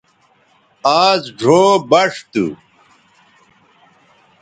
آز ڙھو بݜ تھو